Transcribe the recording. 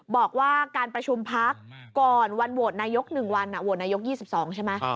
บอกว่าการประชุมพักก่อนวันโหวตนายก๑วันโหวตนายก๒๒ใช่ไหม